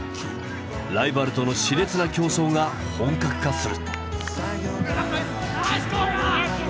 ライバルとの熾烈な競争が本格化する。